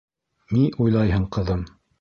Ни уйлайһың, ҡыҙым?